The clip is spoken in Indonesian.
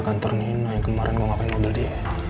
rekaman di luar kantor nino yang kemarin gue ngapain udah di